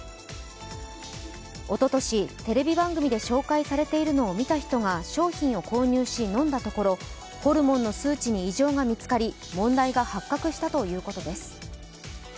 おととし、テレビ番組で紹介しているのを見た人が商品を購入し、飲んだところホルモンの数値に異常が見つかり問題が発覚したということです。